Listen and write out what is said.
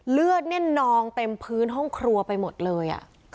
เลือดเนี่ยนองเต็มพื้นห้องครัวไปหมดเลย